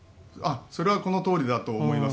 それはこのとおりだと思います。